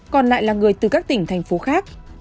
còn lại là người từ các tỉnh thành phố khác